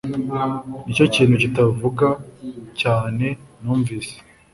Nicyo kintu kitavuga cyane numvise